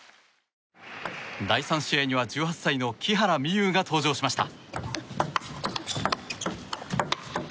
第３試合は１８歳の木原美悠が登場しました。